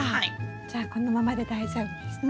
じゃあこのままで大丈夫ですね？